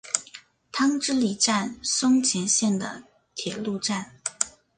汤之里站松前线的铁路站。